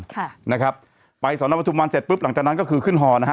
ค่ะนะครับไปสอนอปทุมวันเสร็จปุ๊บหลังจากนั้นก็คือขึ้นฮอนะฮะ